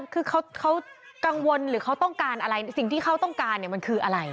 คือเขากังวลหรือเขาต้องการอะไรสิ่งที่เขาต้องการเนี่ยมันคืออะไร